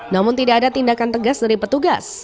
namun tidak ada tindakan tegas dari petugas